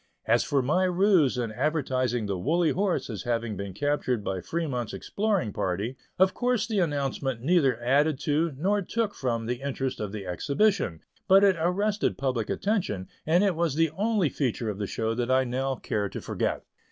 As for my ruse in advertising the "Woolly Horse" as having been captured by Fremont's exploring party, of course the announcement neither added to nor took from the interest of the exhibition; but it arrested public attention, and it was the only feature of the show that I now care to forget.